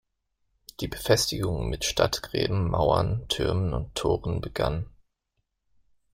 Die Befestigung mit Stadtgräben, Mauern, Türmen und Toren begann.